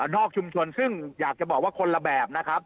นอกชุมชนซึ่งอยากจะบอกว่าคนละแบบนะครับ